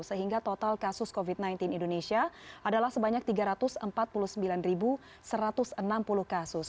sehingga total kasus covid sembilan belas indonesia adalah sebanyak tiga ratus empat puluh sembilan satu ratus enam puluh kasus